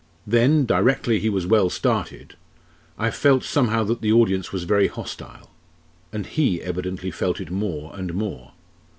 Then, directly he was well started! I felt somehow that the audience was very hostile. And he evidently felt it more and more.